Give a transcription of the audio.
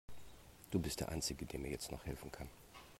Du bist der einzige, der mir jetzt noch helfen kann.